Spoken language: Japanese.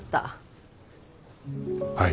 はい。